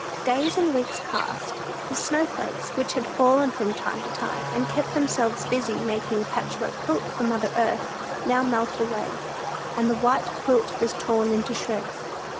Days and weeks passed. The snowflakes, which had fallen from time to time, and kept themselves busy making a patchwork quilt for mother Earth, now melted away, and the white quilt was torn into shreds.